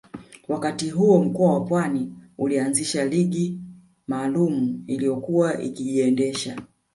Wakati huo mkoa wa Pwani ulianzisha ligi maalumu iliyokuwa ikijiendesha